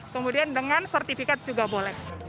sertifikat juga boleh